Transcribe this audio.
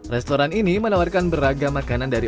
restoran ini menawarkan beragam makanan dari